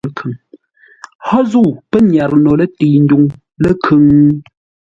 Hó zə̂u pə́ nyarə no lətəi-ndwuŋ ləkhʉŋ?